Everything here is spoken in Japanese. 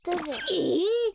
えっ！？